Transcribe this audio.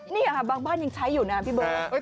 นี่ค่ะบางบ้านยังใช้อยู่นะพี่เบิร์ต